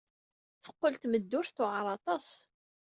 Teqqel tmeddurt tewɛeṛ aṭas.